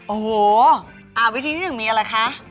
โอ้โหวิธีนี้ถึงมีอะไรคะ